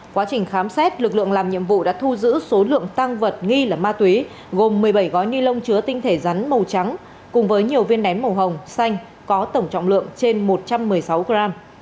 quá trình khám xét lực lượng làm nhiệm vụ đã thu giữ số lượng tăng vật nghi là ma túy gồm một mươi bảy gói ni lông chứa tinh thể rắn màu trắng cùng với nhiều viên nén màu hồng xanh có tổng trọng lượng trên một trăm một mươi sáu gram